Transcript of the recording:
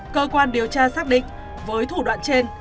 cơ quan điều tra xác định với thủ đoạn trên